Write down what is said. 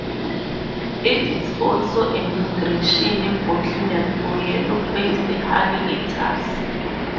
It is also a migration bottleneck for yellow-faced honeyeaters.